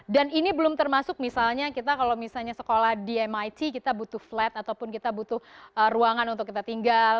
dan ini belum termasuk misalnya kita kalau misalnya sekolah di mit kita butuh flat ataupun kita butuh ruangan untuk kita tinggal